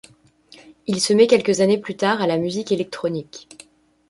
Il se met quelques années plus tard à la musique électronique.